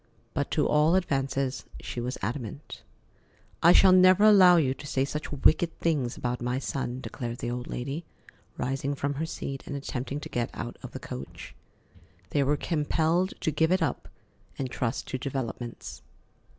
But to all advances she was adamant. "I shall never allow you to say such wicked things about my son," declared the old lady, rising from her seat and attempting to get out of the coach. They were compelled to give it up and trust to developments.